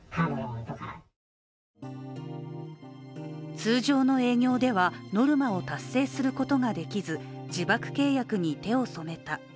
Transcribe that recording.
通常の営業ではノルマを達成することができず自爆契約に手を染めた。